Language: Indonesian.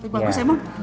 bagus yah tina